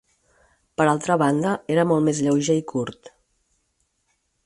Per altra banda, era molt més lleuger i curt.